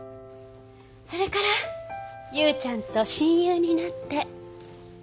それからユウちゃんと親友になって。